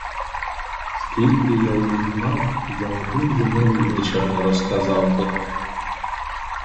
Скільки я їх зазнав, за один зимовий вечір не розказав би.